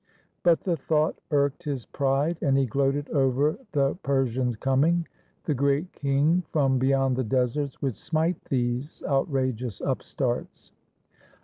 But the thought irked his pride, and he gloated over the Per sians' coming. The Great King from beyond the deserts would smite these outrageous upstarts.